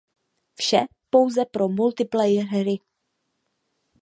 Vše pouze pro Multiplayer hry.